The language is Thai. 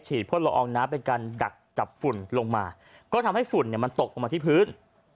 พ่นละอองน้ำเป็นการดักจับฝุ่นลงมาก็ทำให้ฝุ่นเนี่ยมันตกลงมาที่พื้น